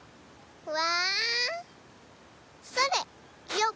うわ！